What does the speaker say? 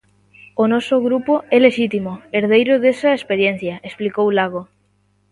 O noso grupo é lexítimo herdeiro desa experiencia, explicou Lago.